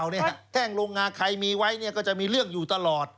แห้งลงงาใครมีไว้ก็จะมีเรื่องอยู่ตลอด